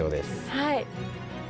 はい。